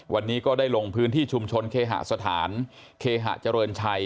วันนี้ก็ได้ลงพื้นที่ชุมชนเคหสถานเคหะเจริญชัย